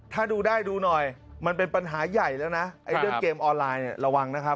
ถ้าดูได้ดูหน่อยมันเป็นปัญหาใหญ่แล้วนะไอ้เรื่องเกมออนไลน์เนี่ยระวังนะครับ